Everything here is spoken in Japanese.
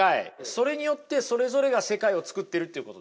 それによってそれぞれが世界をつくってるっていうことです。